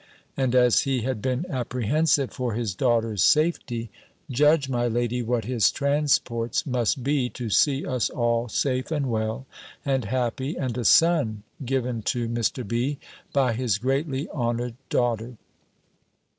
And as he had been apprehensive for his daughter's safety, judge, my lady, what his transports must be, to see us all safe and well, and happy, and a son given to Mr. B. by his greatly honoured daughter.